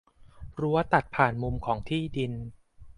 รั้วตัดผ่านมุมของที่ดิน